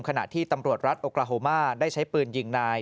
ขณะที่ตำรวจรัฐโอกาโฮมาได้ใช้ปืนยิงนาย